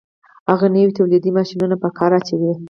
هغه نوي تولیدي ماشینونه په کار اچوي